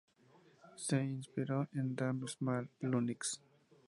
Se inspiró en Damn Small Linux.